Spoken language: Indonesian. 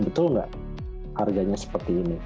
betul nggak harganya seperti ini